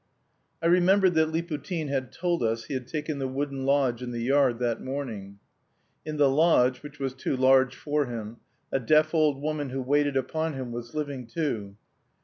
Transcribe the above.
I remembered that Liputin had told us he had taken the wooden lodge in the yard that morning. In the lodge, which was too large for him, a deaf old woman who waited upon him was living too.